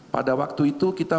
pada waktu itu kita